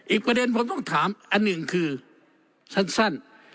อีกประเด็นผมต้องถามอันหนึ่งคือสั้น